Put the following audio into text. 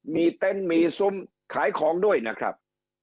มีเต็นต์มีซุ้มขายของด้วยนะครับ